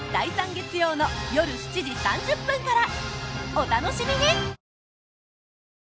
お楽しみに！